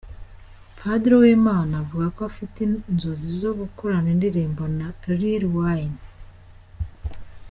Padiri Uwimana avuga ko afite inzozi zo gukorana indirimbo na Lil Wayne.